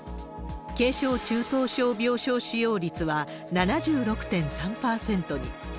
軽症、中等症病床使用率は７６．３％に。